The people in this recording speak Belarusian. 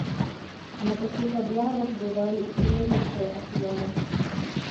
На такіх аблавах бывалі і чалавечыя ахвяры.